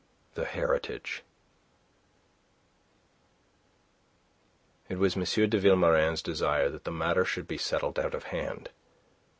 THE HERITAGE It was M. de Vilmorin's desire that the matter should be settled out of hand.